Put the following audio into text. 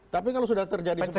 tapi kalau sudah terjadi seperti itu